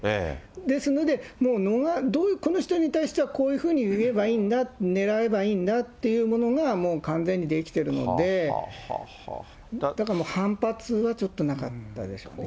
ですので、もうこの人に対してはこういうふうに言えばいいんだ、狙えばいいんだっていうものが、もう完全に出来てるので、だからもう、反発はちょっとなかったでしょうね。